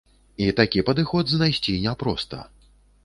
І такі падыход знайсці няпроста.